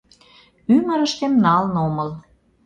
— Ӱмырыштем налын омыл.